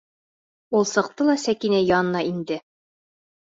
Ул сыҡты ла Сәкинә янына инде!